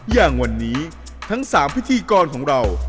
อย่างวันนี้ทั้ง๓พิธีกรของเรา